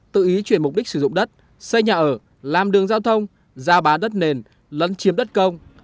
tự ý chuyển mục đích sử dụng đất xây nhà ở làm đường giao thông ra bán đất nền lấn chiếm đất công